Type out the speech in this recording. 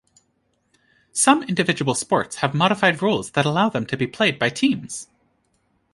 Some individual sports have modified rules that allow them to be played by teams.